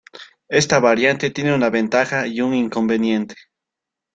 Esta variante tiene una ventaja y un inconveniente.